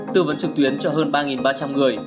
tư vấn trực tuyến cho hơn ba ba trăm linh người